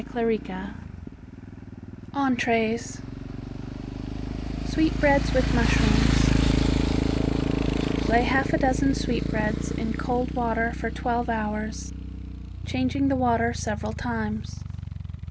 ENTREES Sweetbreads with Mushrooms Lay half a dozen sweetbreads in cold water for twelve hours, changing the water several times.